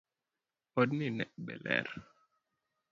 Od ni be ler?